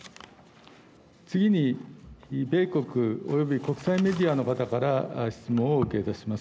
次に、米国及び国際メディアの方から質問をお受けいたします。